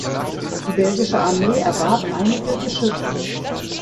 Die belgische Armee erwarb einige Geschütze.